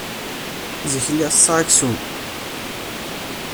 Zik, lliɣ setteɣ aksum.